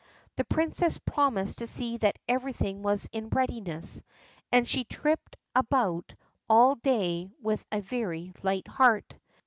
The princess promised to see that everything was in readiness, and she tripped about all day with a very light heart.